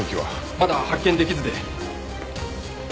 まだ発見できずで。